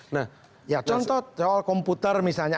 nah ya contoh soal komputer misalnya